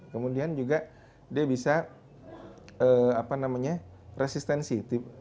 kemudian juga dia bisa resistensi